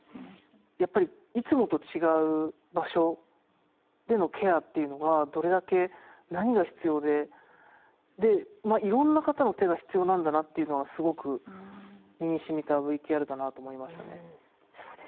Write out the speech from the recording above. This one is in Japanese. やっぱりいつもと違う場所でのケアっていうのはどれだけ何が必要ででいろんな方の手が必要なんだなっていうのはすごく身にしみたＶＴＲだなと思いましたね。